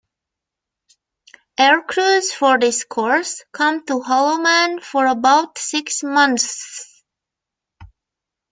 Aircrews for this course come to Holloman for about six months.